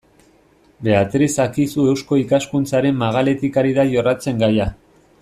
Beatriz Akizu Eusko Ikaskuntzaren magaletik ari da jorratzen gaia.